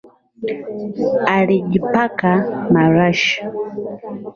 Alijipaka marashi